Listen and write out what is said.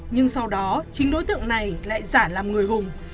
nhưng sau đó chính đối tượng này lại giả làm người hùng